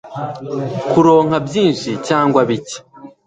kuronka byinshi cyangwa bike